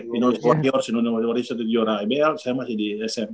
indonesia warriors indonesia warriors juara abl saya masih di sm